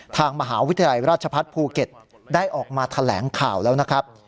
ทางมหาวิทยาลัยราชพัฒน์ภูเก็ตได้ออกมาแถลงข่าวแล้วนะครับ